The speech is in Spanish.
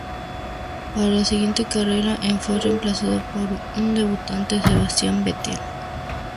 Para la siguiente carrera en fue reemplazado por un debutante Sebastian Vettel.